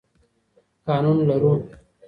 قانون لرو.